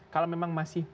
kalau memang masih